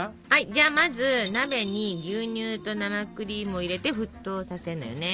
じゃまず鍋に牛乳と生クリームを入れて沸騰させるのよね。